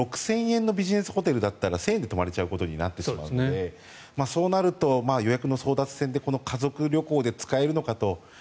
６０００円のビジネスホテルだったら１０００円で泊まれることになっちゃうのでそうなると予約の争奪戦で家族旅行で使えるのかと。